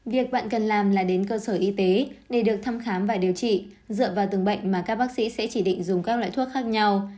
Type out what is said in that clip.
việc bạn cần làm là đến cơ sở y tế để được thăm khám và điều trị dựa vào từng bệnh mà các bác sĩ sẽ chỉ định dùng các loại thuốc khác nhau